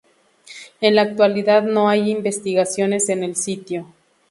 En la actualidad no hay investigaciones en el sitio.